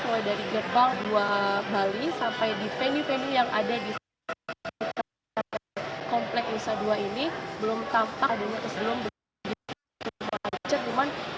mulai dari gerbang dua bali sampai di venue venue yang ada di komplek usa dua ini belum tampak belum terselum belum